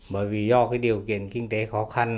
bởi vì do điều kiện kinh tế khó khăn